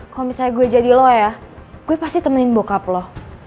kalau misalnya gue jadi lo ya gue pasti temenin bokap loh